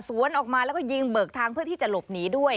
ออกมาแล้วก็ยิงเบิกทางเพื่อที่จะหลบหนีด้วย